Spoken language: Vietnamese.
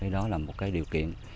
đó là một điều kiện